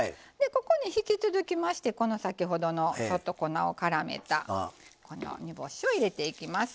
ここに引き続きましてこの先ほどの粉をからめた煮干しを入れていきます。